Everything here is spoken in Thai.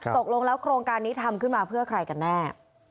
ตกลงแล้วโครงการนี้ทำขึ้นมาเพื่อใครกันแน่